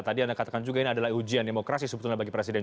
tadi anda katakan juga ini adalah ujian demokrasi sebetulnya bagi presiden